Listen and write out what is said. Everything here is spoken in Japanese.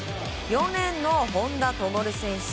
４レーンの本多灯選手。